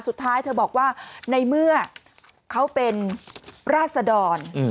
สุดท้ายเธอบอกว่าในเมื่อเขาเป็นราศดร